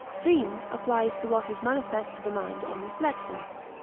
Seem applies to what is manifest to the mind on reflection.